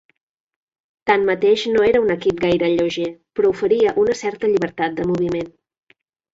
Tanmateix no era un equip gaire lleuger, però oferia una certa llibertat de moviment.